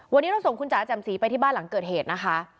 วันนี้เราส่งคุณจ๋าแจ่มสีไปที่บ้านหลังเกิดเหตุนะคะ